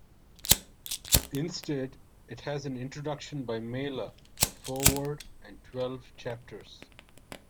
Instead, it has an Introduction by Mailer, a Foreword, and twelve chapters.